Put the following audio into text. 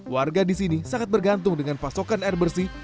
warga disini sangat bergantung dengan pasokan air bersih